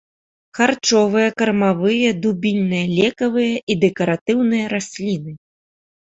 Харчовыя, кармавыя, дубільныя, лекавыя і дэкаратыўныя расліны.